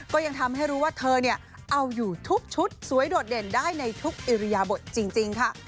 ก็ยังทำให้รู้ว่าเธอเอาอยู่ทุกชุดสวยโดดเด่นได้ในทุกอิริยบทจริงค่ะ